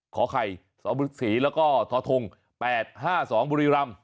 ขอให้สวบุษีแล้วก็ทศ๘๕๒บุรีรัมต์